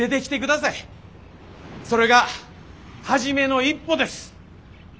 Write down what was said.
それが初めの一歩です。